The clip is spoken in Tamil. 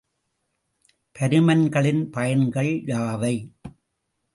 பருமன்களின் பயன்கள் யாவை?